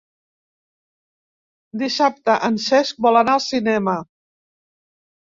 Dissabte en Cesc vol anar al cinema.